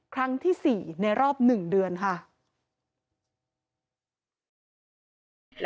ครั้งที่๔ในรอบ๑เดือนค่ะ